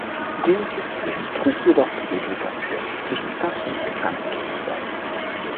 Dieses System trug jedoch zur Segregation zwischen Stadt- und Migrantenkindern bei.